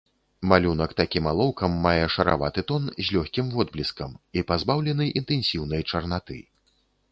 Малюнак такім алоўкам мае шараваты тон з лёгкім водбліскам і пазбаўлены інтэнсіўнай чарнаты.